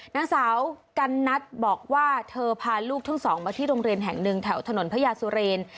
นางสาวกันนัทบอกว่าเธอพาลูกทั้งสองมาที่โรงเรียนแห่งหนึ่งแถวถนนพระยาสุเรน